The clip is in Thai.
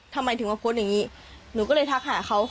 ทำไมถึงมาโพสต์อย่างนี้หนูก็เลยทักหาเขา